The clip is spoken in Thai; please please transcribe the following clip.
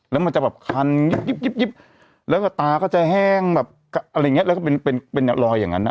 แล้วก็ตาก็จะแห้งแบบอะไรอย่างนี้แล้วก็เป็นรอยอย่างนั้น